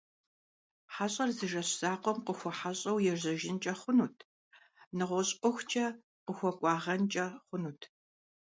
Хьэщӏэр зы жэщ закъуэм къыхуэхьэщӏэу ежьэжынкӏэ хъунут, нэгъуэщӏ ӏуэхукӏэ къыхуэкӏуагъэнкӏэ хъунут.